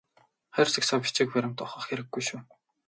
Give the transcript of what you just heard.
Хайрцаг сав бичиг баримт ухах хэрэггүй шүү.